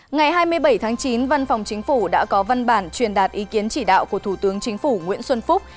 ngày hai mươi bảy tháng chín văn phòng chính phủ đã có văn bản truyền đạt ý kiến chỉ đạo của thủ tướng chính phủ nguyễn xuân phúc